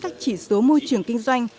các chỉ số môi trường kinh doanh